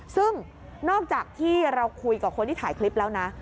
ซึ่งนอกจากที่เราคุยกับคนที่ถ่ายคลิปแล้วนะ